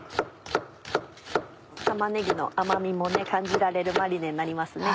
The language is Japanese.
玉ねぎの甘みも感じられるマリネになりますね。